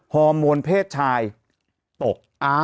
โฮโมนเพศชายตก